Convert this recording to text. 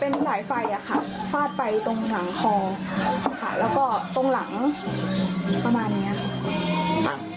เป็นสายไฟอะค่ะฟาดไปตรงหลังคอค่ะแล้วก็ตรงหลังประมาณนี้ค่ะ